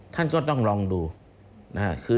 ท่านก็ต้องรองดู